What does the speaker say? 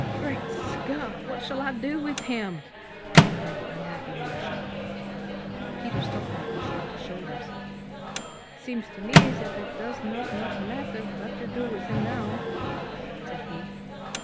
"Great Scott! What shall I do with him?" cried the unhappy Marshal. Peter Stulpnagel shrugged his shoulders. "It seems to me that it does not much matter what you do with him now," said he.